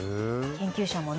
研究者もね